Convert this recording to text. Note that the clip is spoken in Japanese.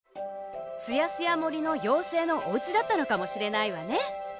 すやすやもりのようせいのおうちだったのかもしれないわね！